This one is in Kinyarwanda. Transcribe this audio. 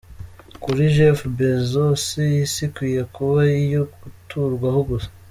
Kuri Jeff Bezos isi ikwiye kuba iyo guturwaho gusa.